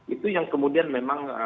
itu yang kemudian memang